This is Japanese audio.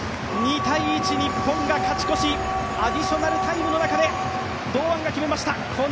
２−１、日本が勝ち越し、アディショナルタイムの中で堂安が決めました。